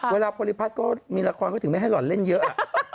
เวลาภลิพรรษก็มีราคองเทียบล่อนเล่นเยอะ